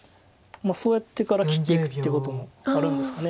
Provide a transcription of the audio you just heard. そうやってから切っていくってこともあるんですかね。